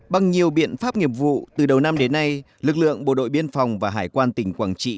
bằng nhiều biện pháp nghiệp vụ từ đầu năm đến nay lực lượng bộ đội biên phòng và hải quan tỉnh quảng trị